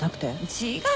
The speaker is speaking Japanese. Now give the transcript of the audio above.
違う。